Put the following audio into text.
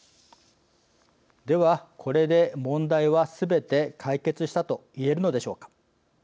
では、これで問題はすべて解決したと言えるのでしょうか？